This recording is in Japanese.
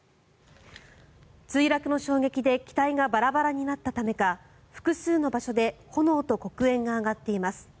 墜落の衝撃で機体がバラバラになったためか複数の場所で炎と黒煙が上がっています。